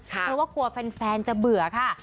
เพราะว่ากลัวแฟนจะเบื่อค่ะ